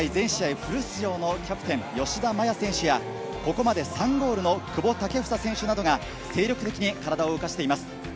フル出場のキャプテン、吉田麻也選手や、ここまで３ゴールの久保建英選手などが、精力的に体を動かしています。